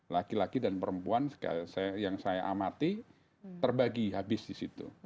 laki laki dan perempuan yang saya amati terbagi habis di situ